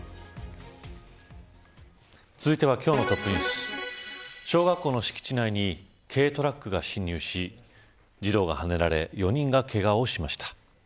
続いては今日のトップニュース小学校の敷地内に軽トラックが侵入し児童がはねられ４人がけがをしました。